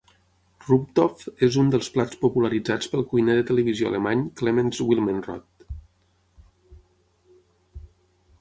Rumtopf és un dels plats popularitzats pel cuiner de televisió alemany Clemens Wilmenrod.